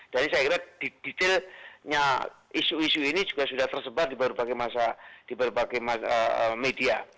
jadi saya kira detailnya isu isu ini juga sudah tersebar di berbagai media